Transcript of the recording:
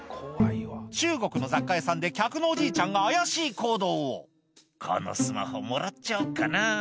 中国の雑貨屋さんで客のおじいちゃんが怪しい行動を「このスマホもらっちゃおっかな」